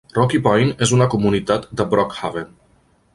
Rocky Point és una comunitat de Brookhaven.